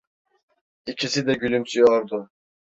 İkisi de gülümsüyordu.